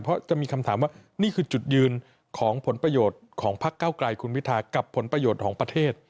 เพราะจะมีคำถามว่านี่คือจุดยืนของผลประโยชน์ของพักเก้าไกลคุณพิทากับผลประโยชน์ของประเทศ